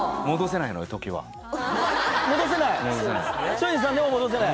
松陰寺さんでも戻せない？